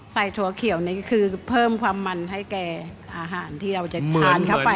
ถั่วเขียวนี่ก็คือเพิ่มความมันให้แก่อาหารที่เราจะทานเข้าไป